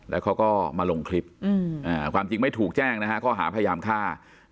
แล้วเขาก็มาลงคลิปความจริงไม่ถูกแจ้งนะฮะข้อหาพยายามฆ่า